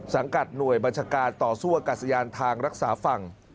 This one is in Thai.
กัดหน่วยบัญชาการต่อสู้อากาศยานทางรักษาฝั่ง